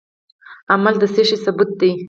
عمل د څه شي ثبوت دی؟